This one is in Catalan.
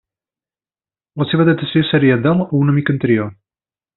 La seva datació seria del o una mica anterior.